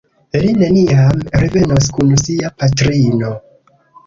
Li neniam revenos kun sia patrino.